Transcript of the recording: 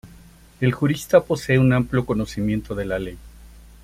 El jurista posee un amplio conocimiento de la "ley".